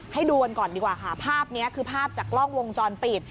ให้ดูกันก่อนดีกว่าค่ะภาพนี้คือภาพจากกล้องวงจรปิด